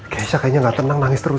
keisha kayaknya gak tenang nangis terus